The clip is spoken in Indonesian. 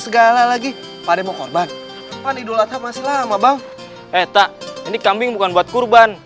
eh tak ini kambing bukan buat kurban